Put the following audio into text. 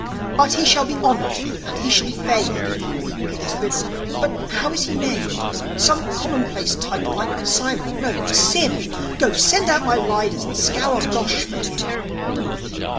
But he shall be honoured, and he shall be famed If he read me this riddle. But how is he named? Some commonplace title, like Simon? No Sym! Go, send out my riders, and scour Gosh for him."